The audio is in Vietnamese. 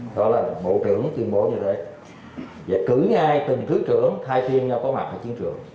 đó là bộ trưởng tuyên bố như thế và cử ngay từng thứ trưởng thay phiên nhau có mặt ở chiến trường